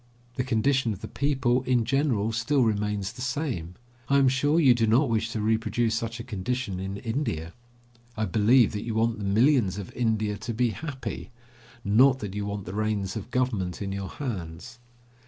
The condition of the people, in general, still remains the same. I am sure you do not wish to reproduce such a condition in India. I believe that you want the millions of India to be happy, not that you want the reins of Government in your hands.